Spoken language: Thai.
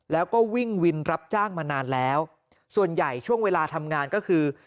แล้วก็วิ่งวินรับจ้างมานานแล้วส่วนใหญ่ช่วงเวลาทำงานก็คือ